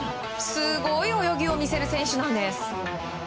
すごい泳ぎを見せる選手なんです。